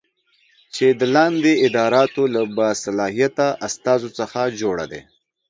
چې د لاندې اداراتو له باصلاحیته استازو څخه جوړه دی